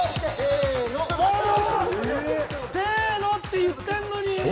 「せの」って言ってんのに！